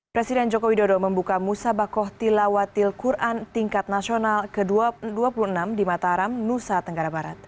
presiden joko widodo membuka musabakoh tilawatil quran tingkat nasional ke dua puluh enam di mataram nusa tenggara barat